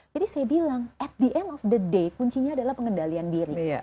jadi saya bilang at the end of the day kuncinya adalah pengendalian diri